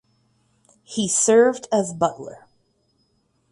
He served as butler.